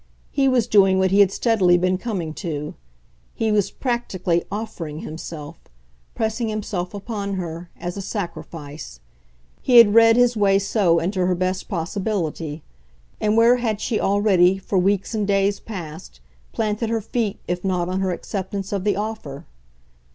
He was doing what he had steadily been coming to; he was practically OFFERING himself, pressing himself upon her, as a sacrifice he had read his way so into her best possibility; and where had she already, for weeks and days past, planted her feet if not on her acceptance of the offer?